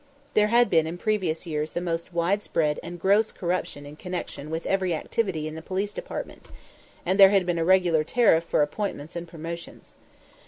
There had been in previous years the most widespread and gross corruption in connection with every activity in the Police Department, and there had been a regular tariff for appointments and promotions.